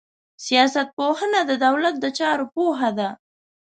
سياست پوهنه د دولت د چارو پوهه ده.